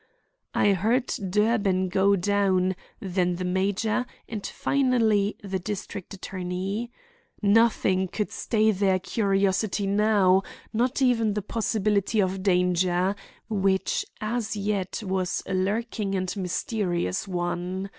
I heard Durbin go down, then the major, and finally, the district attorney. Nothing could stay their curiosity now, not even the possibility of danger, which as yet was a lurking and mysterious one.